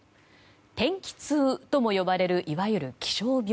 天気痛とも呼ばれるいわゆる気象病。